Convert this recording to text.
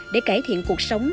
để cải thiện cuộc sống